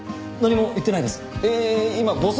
いや言ってないです。